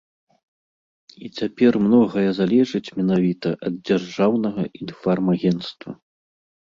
І цяпер многае залежыць менавіта ад дзяржаўнага інфармагенцтва.